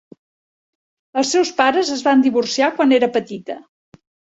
Els seus pares es van divorciar quan era petita.